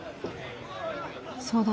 そうだ。